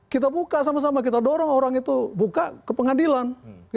kita buka sama sama kita dorong orang itu buka ke pengadilan